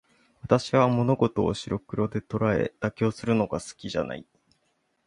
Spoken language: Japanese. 私は物事を白黒で捉え、妥協するのが好きじゃない。